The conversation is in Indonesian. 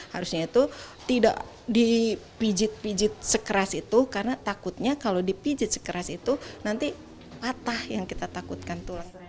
harusnya itu tidak dipijit pijit sekeras itu karena takutnya kalau dipijit sekeras itu nanti patah yang kita takutkan tulang